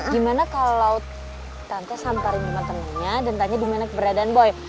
gimana kalau tante samparin teman temannya dan tanya di mana keberadaan boy